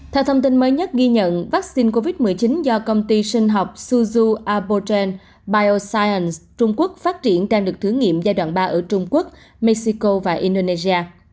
theo thông tin mới nhất ghi nhận vaccine covid một mươi chín do công ty sinh học suzu abogen biosiance trung quốc phát triển đang được thử nghiệm giai đoạn ba ở trung quốc mexico và indonesia